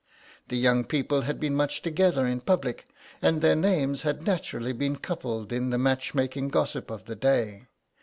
The young people had been much together in public, and their names had naturally been coupled in the match making gossip of the day.